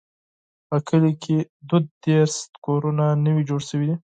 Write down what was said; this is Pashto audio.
په کلي کې دوه دیرش کورونه نوي جوړ شوي دي.